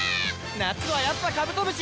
夏はやっぱカブトムシ！